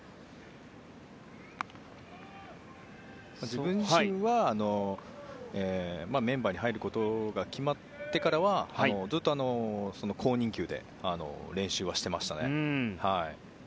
自分自身は、メンバーに入ることが決まってからはずっと公認球で練習はしていました。